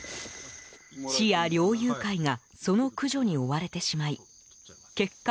市や猟友会がその駆除に追われてしまい結果